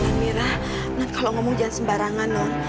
non mira non kalau ngomong jangan sembarangan non